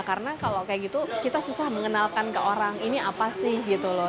karena kalau kayak gitu kita susah mengenalkan ke orang ini apa sih gitu loh